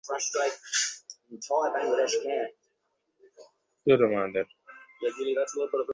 Please, আমার জন্য!